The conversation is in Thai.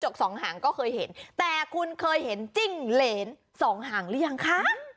สองหางก็เคยเห็นแต่คุณเคยเห็นจิ้งเหรนสองหางหรือยังคะ